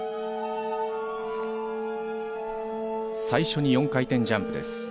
最初に４回転ジャンプです。